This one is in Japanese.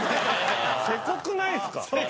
せこくないですか？